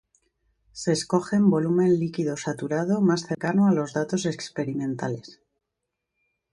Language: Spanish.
Se escoge en volumen líquido saturado más cercano a los datos experimentales.